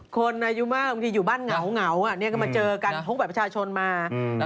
คนอายุมากบางทีอยู่บ้านเหงาเนี่ยก็มาเจอกันพกบัตรประชาชนมา